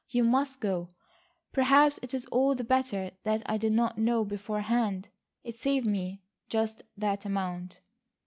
You must go. Perhaps it is all the better that I did not know beforehand. It saves me just that amount."